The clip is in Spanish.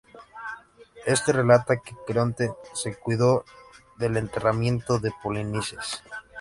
Este relata que Creonte se cuidó del enterramiento de Polinices.